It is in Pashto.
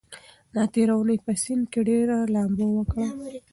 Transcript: ما تېره اونۍ په سيند کې ډېره لامبو وکړه.